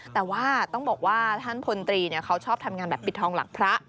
แต่ว่าต้องบอกว่าท่านพลตรีเขาชอบทำงานแบบปิดทองหลังพระ